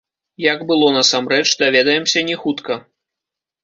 Як было насамрэч, даведаемся, не хутка.